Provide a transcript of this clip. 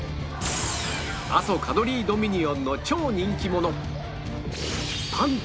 阿蘇カドリー・ドミニオンの超人気者